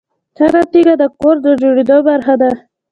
هره تیږه د کور د جوړېدو برخه ده.